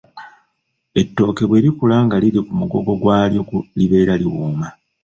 Ettooke bwe likula nga liri ku mugogo gwalyo libeera liwooma.